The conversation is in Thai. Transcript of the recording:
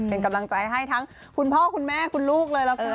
เป็นกำลังใจให้ทั้งคุณพ่อคุณแม่คุณลูกเลยละกัน